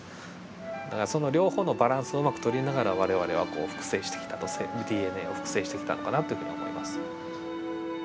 だからその両方のバランスをうまく取りながら我々は複製してきたとＤＮＡを複製してきたのかなというふうに思います。